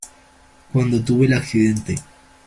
cuando tuve el accidente.